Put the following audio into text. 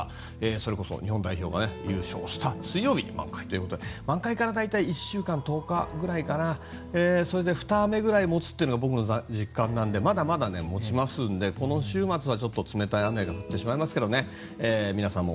それこそ日本代表が優勝した水曜日に満開ということで満開から大体１週間から１０日ぐらいふた雨くらい持つというのが僕の実感なのでまだまだもちますのでこの週末は冷たい雨になります。